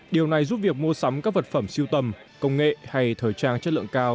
điều này giúp việc mua sắm các vật phẩm siêu tầm công nghệ hay thời trang chất lượng cao